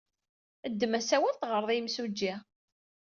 Ddem asawal, teɣred i yimsujji.